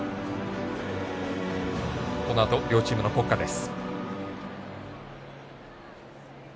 このあと両チームの国歌です。